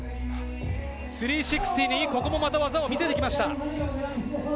３６０にここも技を見せてきました。